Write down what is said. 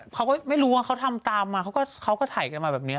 เขาก็ไม่รู้ว่าเขาทำตามมาเขาก็ถ่ายกันมาแบบนี้